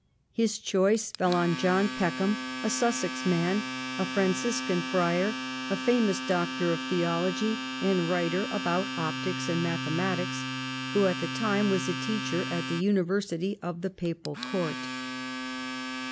His choice fell on John Peckham, a Sussex man, a Franciscan friar, a famous doctor of theology and writer upon optics and mathematics, who at the time was a teacher at the university of the papal court.